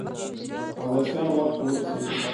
عباسیان واک ته ورسېدل